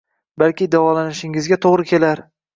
Balki davolanishingizga toʻgʻri kelar